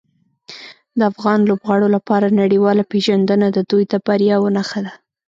د افغان لوبغاړو لپاره نړیواله پیژندنه د دوی د بریاوو نښه ده.